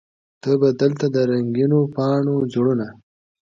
ته به دلته د رنګینو پاڼو زړونه